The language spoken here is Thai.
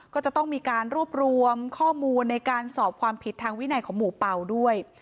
ก็จะต้องมีการรวบรวมข้อมูลในการสอบความผิดทางวินัยของหมู่เป่าด้วย